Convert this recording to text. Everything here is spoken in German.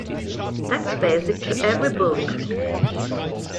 That's basic to every book.